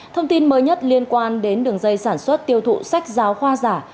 thông tin mới nhất liên quan đến đường dây sản xuất tiêu thụ sách giáo khoa giả